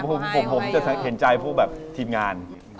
อ่านี่เป็นหนังกำพาทที่หน้า